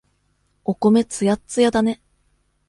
お米、つやっつやだね。